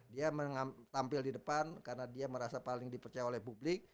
dia tampil di depan karena dia merasa paling dipercaya oleh publik